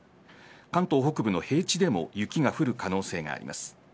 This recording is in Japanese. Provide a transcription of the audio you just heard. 関東北部の平地でも雪が降る可能性があります。